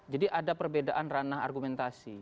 jadi ada perbedaan ranah argumentasi